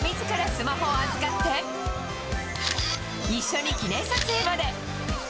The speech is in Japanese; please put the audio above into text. スマホを預かって、一緒に記念撮影まで。